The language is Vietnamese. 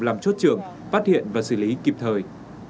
làm chốt trường phát hiện và xử lý kịp thời